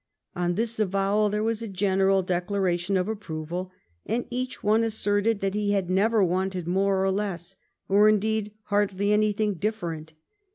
On this avowal there was a general declaration of approval, and each one asserted that lie had never wanted more or less, or, indeed, hardly anything difirnnt.